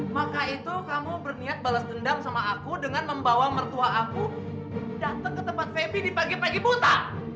maka itu kamu berniat balas dendam sama aku dengan membawa mertua aku datang ke tempat febi di pagi pagi buta